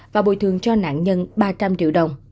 và bồi thường cho nạn nhân ba trăm linh triệu đồng